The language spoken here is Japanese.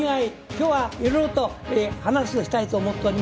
今日はいろいろと話をしたいと思っております。